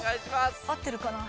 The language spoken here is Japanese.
合ってるかな？